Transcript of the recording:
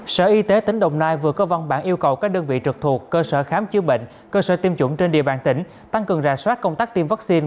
sở y tế tỉnh đồng nai vừa có văn bản yêu cầu các đơn vị trực thuộc cơ sở khám chữa bệnh cơ sở tiêm chủng trên địa bàn tỉnh tăng cường rà soát công tác tiêm vaccine